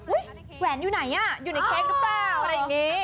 แหวนอยู่ไหนอ่ะอยู่ในเค้กหรือเปล่าอะไรอย่างนี้